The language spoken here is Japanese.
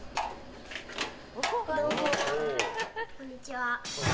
こんにちは。